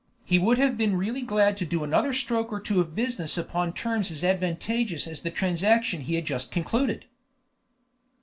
He would have been really glad to do another stroke or two of business upon terms as advantageous as the transaction he had just concluded.